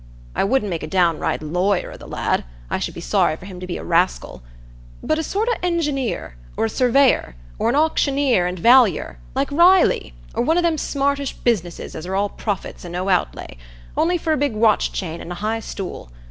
I wouldn't make a downright lawyer o' the lad,—I should be sorry for him to be a raskill,—but a sort o' engineer, or a surveyor, or an auctioneer and vallyer, like Riley, or one o' them smartish businesses as are all profits and no outlay, only for a big watch chain and a high stool.